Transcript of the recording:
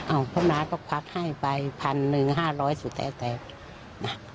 พ่อน้าก็ควักให้ไปพันหนึ่งห้าร้อยสุดแท้แต่นะ